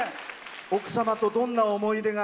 奥様とどんな思い出が？